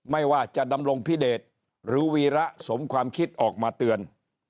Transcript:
ไม่ว่าจะดำรงพิเดชหรือวีระสมความคิดออกมาเตือน